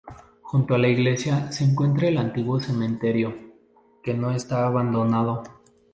Junto a la iglesia se encuentra el antiguo cementerio, que no está abandonado.